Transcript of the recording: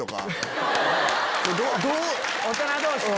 大人同士ね。